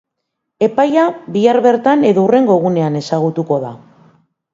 Epaia bihar bertan edo hurrengo egunean ezagutuko da.